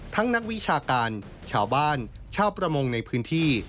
นักวิชาการชาวบ้านชาวประมงในพื้นที่